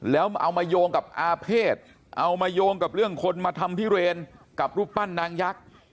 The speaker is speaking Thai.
แล้วเอามาโยงกับอาเภษเอามาโยงกับเรื่องคนมาทำพิเรนกับรูปปั้นนางยักษ์